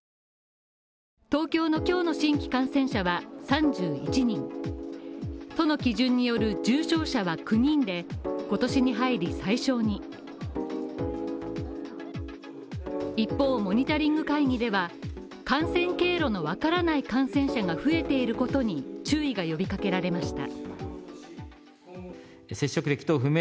東京の今日の新規感染者は３１人、都の基準による重症者は９人で今年に入り最少に一方モニタリング会議では感染経路のわからない感染者が増えていることに注意が呼びかけられました。